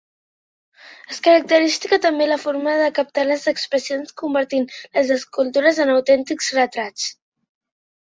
És característica també la forma de captar les expressions, convertint les escultures en autèntics retrats.